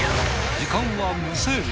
時間は無制限。